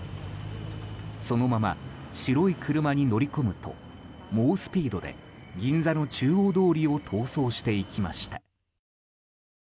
そのまま、白い車に乗り込むと猛スピードで銀座の中央通りを逃走していきました。